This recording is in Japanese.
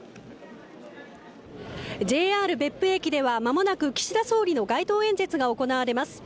ＪＲ別府駅では、間もなく岸田総理の街頭演説が行われます。